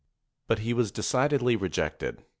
But he was decidedly rejected.